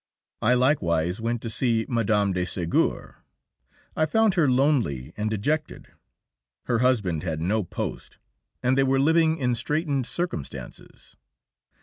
I likewise went to see Mme. de Ségur. I found her lonely and dejected; her husband had no post, and they were living in straitened circumstances.